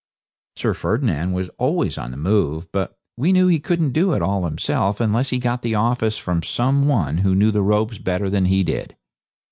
Sir Ferdinand was always on the move, but we knew he couldn't do it all himself unless he got the office from some one who knew the ropes better than he did.